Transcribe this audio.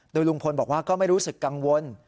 โดยลุงพลบอกว่าก็ไม่รู้สึกกังวล